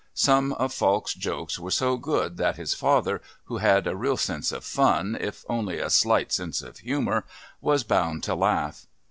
Some of Falk's jokes were so good that his father, who had a real sense of fun if only a slight sense of humour, was bound to laugh.